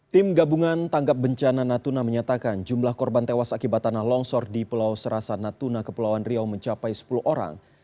tim gabungan tanggap bencana natuna menyatakan jumlah korban tewas akibat tanah longsor di pulau serasa natuna kepulauan riau mencapai sepuluh orang